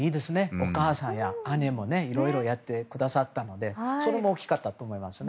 お母さんや姉もねいろいろやってくださったのでそれも大きかったと思います。